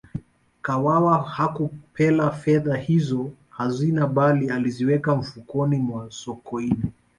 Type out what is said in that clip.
kawawa hakupele fedha hizo hazina bali aliziweka mfukoni mwa sokoine